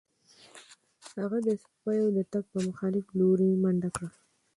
هغه د سپیو د تګ په مخالف لوري منډه کړه